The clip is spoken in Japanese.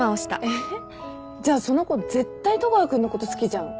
えっじゃあその子絶対戸川君のこと好きじゃん。